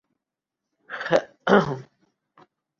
غیور دلیر بہادر بلوچ مسلمان کے لیئے وہ خوشی کا دن تھا